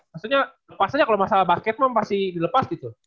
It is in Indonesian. maksudnya lepas aja kalo masalah basket mah pasti dilepas gitu